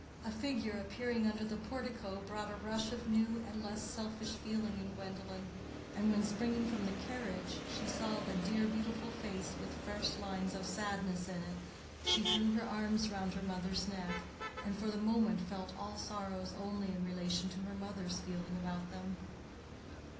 A figure appearing under the portico brought a rush of new and less selfish feeling in Gwendolen, and when springing from the carriage she saw the dear beautiful face with fresh lines of sadness in it, she threw her arms round her mother's neck, and for the moment felt all sorrows only in relation to her mother's feeling about them.